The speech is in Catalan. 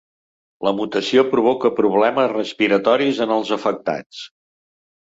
La mutació provoca problemes respiratoris en els afectats.